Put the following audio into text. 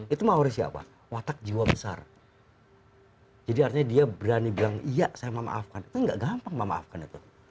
itu memawarisi apa watak jiwa besar jadi artinya dia berani bilang iya saya memaafkan itu nggak gampang memaafkan itu